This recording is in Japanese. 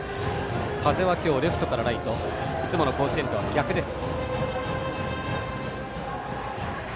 風は今日レフトからライトでいつもの甲子園とは逆です。